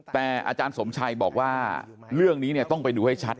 แต่อาจารย์สมชัยบอกว่าเรื่องนี้ต้องไปดูให้ชัด